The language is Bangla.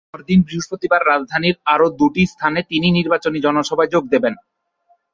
পরদিন বৃহস্পতিবার রাজধানীর আরও দুটি স্থানে তিনি নির্বাচনী জনসভায় যোগ দেবেন।